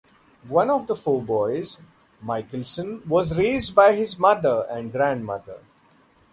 One of four boys, Michelson was raised by his mother and grandmother.